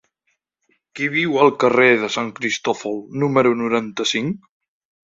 Qui viu al carrer de Sant Cristòfol número noranta-cinc?